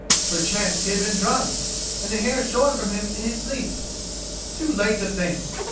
Perchance he had been drugged, and the hair shorn from him in his sleep? Too late to think!